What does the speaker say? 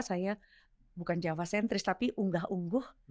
saya bukan java sentris tapi unggah ungguh